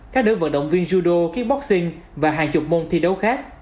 các đứa vận động viên judo kickboxing và hàng chục môn thi đấu khác